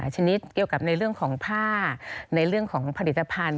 ชนิดเกี่ยวกับในเรื่องของผ้าในเรื่องของผลิตภัณฑ์